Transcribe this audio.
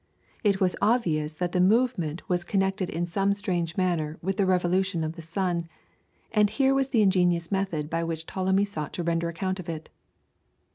It was obvious that the movement was connected in some strange manner with the revolution of the sun, and here was the ingenious method by which Ptolemy sought to render account of it.